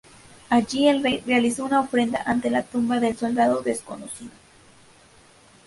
Allí, el rey realizó una ofrenda ante la tumba del soldado desconocido.